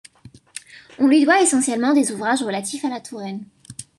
On lui doit essentiellement des ouvrages relatifs à la Touraine.